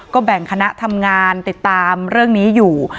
ก็แบ่งคณะทำงานติดตามเรื่องนี้อยู่